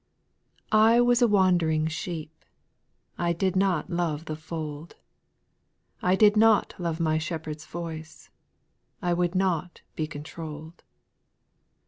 T WAS a wandering sheep, A I did not loye the fold ; I did not love my Shepherd's voice, I would not be controlled, 2.